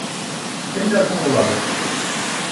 — Кемдәр һуң улары?